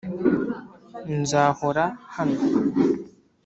nzahora hano,